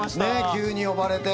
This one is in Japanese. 急に呼ばれて。